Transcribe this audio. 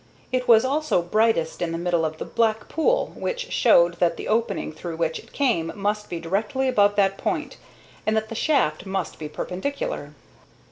It was also brightest in the middle of the black pool, which showed that the opening through which it came must be directly above that point, and that the shaft must be perpendicular.